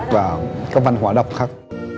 và các văn hóa đọc khác